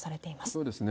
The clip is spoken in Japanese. そうですね。